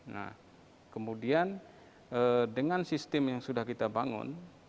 nah kemudian dengan sistem yang sudah kita bangun